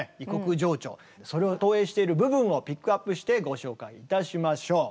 それを投影している部分をピックアップしてご紹介いたしましょう。